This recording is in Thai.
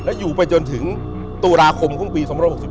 และอยู่ไปจนถึงตุลาคมของปี๒๖๒